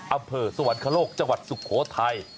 อำเภอสวรรคโลกจังหวัดสุโขทัย